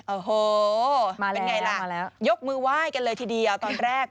โอ้โหเป็นไงล่ะยกมือไหว้กันเลยทีเดียวตอนแรก